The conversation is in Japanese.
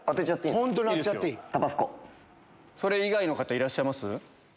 どうぞ。それ以外の方いらっしゃいます？